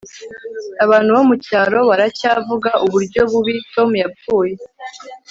abantu bo mucyaro baracyavuga uburyo bubi tom yapfuye